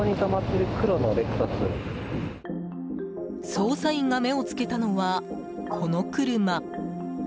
捜査員が目をつけたのはこの車。